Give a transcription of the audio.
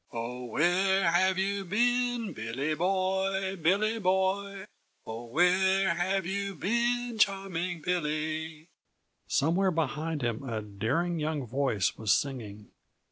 "_ "Oh, where have you been, Billy boy, Billy boy? Oh, where have you been, charming Billy?" Somewhere behind him a daring young voice was singing.